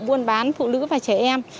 buôn bán phụ nữ và trẻ em